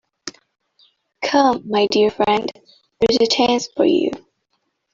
Come, my dear friend, there's a chance for you.